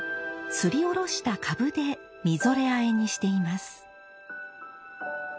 すりおろしたかぶでみぞれあえにしています。